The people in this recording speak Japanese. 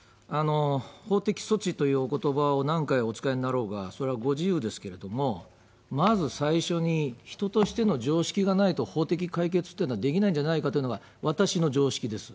法的措置というおことばを何回お使いになろうがそれはご自由ですけれども、まず最初に、人としての常識がないと法的解決っていうのはできないんじゃないかというのは、私の常識です。